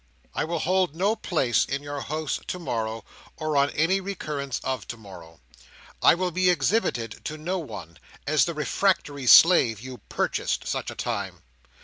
"I will hold no place in your house to morrow, or on any recurrence of to morrow. I will be exhibited to no one, as the refractory slave you purchased, such a time.